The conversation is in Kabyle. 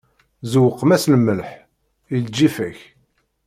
Ẓewqem-as lemleḥ, i lǧifa-k!